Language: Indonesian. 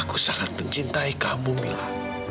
aku sangat mencintai kamu mila